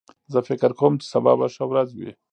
زه فکر کوم چې سبا به ښه ورځ وي